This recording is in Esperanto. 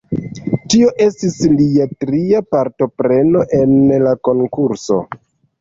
Tio estis lia tria partopreno en la konkurso.